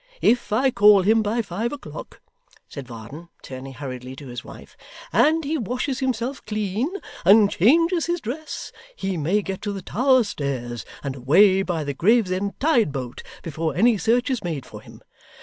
If I call him by five o'clock,' said Varden, turning hurriedly to his wife, and he washes himself clean and changes his dress, he may get to the Tower Stairs, and away by the Gravesend tide boat, before any search is made for him.